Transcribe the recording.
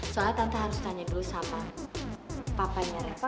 soalnya tante harus tanya dulu sama papanya reva